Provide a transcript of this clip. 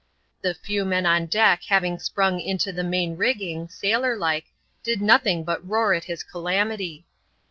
The few men on deck having sprung into the main rigging, sailor like, did nothing but roar at his calamity.